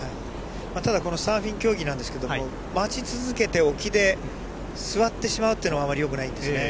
ただこのサーフィン競技は待ち続けて沖で座ってしまうというのがあまりよくないんですね。